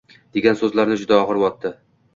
degan so`zlari juda og`ir botdi